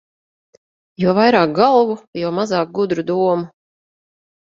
Jo vairāk galvu, jo mazāk gudru domu.